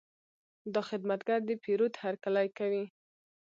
دا خدمتګر د پیرود هرکلی کوي.